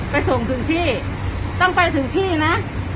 ส่งถึงที่ต้องไปถึงที่นะ